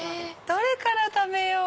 どれから食べよう？